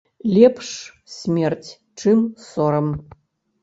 Лепш смерць чым сорам.